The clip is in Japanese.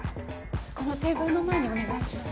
そこのテーブルの前にお願いします。